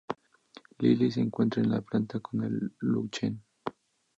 Lily se encuentra en la planta con Lu Chen.